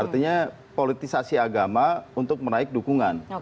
artinya politisasi agama untuk menaik dukungan